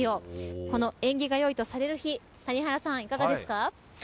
この縁起が良いとされる日谷原さん、いかがですか。